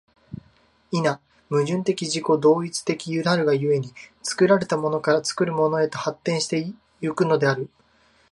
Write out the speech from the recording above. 否、矛盾的自己同一的なるが故に、作られたものから作るものへと発展し行くのである。